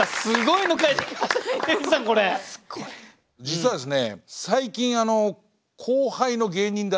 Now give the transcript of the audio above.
実はですね